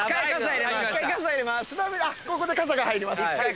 ここで傘が入ります。